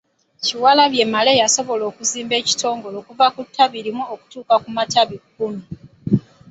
Kyewalabye Male yasobola okuzimba ekitongole okuva ku ttabi limu okutuuka ku matabi kkumi.